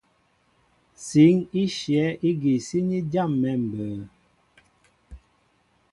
Sǐn í shyɛ̌ ígi síní jâm̀ɛ̌ mbə̌.